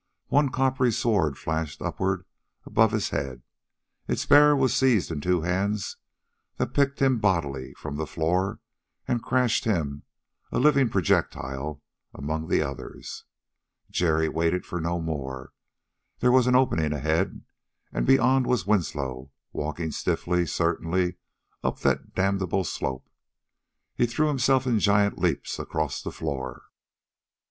One coppery sword flashed upward above his head. Its bearer was seized in two hands that picked him bodily from the floor and crashed him, a living projectile, among the others. Jerry waited for no more. There was an opening ahead, and beyond was Winslow, walking stiffly, certainly, up that damnable slope. He threw himself in giant leaps across the floor.